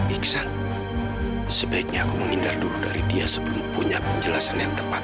iksan sebaiknya aku menghindar dulu dari dia sebelum punya penjelasan yang tepat